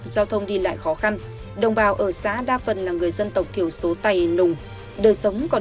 giao thông đi lại khó khăn đồng bào ở xã đa phần là người dân tộc thiểu số tà nùng đời sống còn